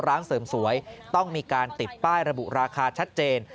ร้านเสริมสวยต้องมีการติดป้ายระบุราคาชัดเจน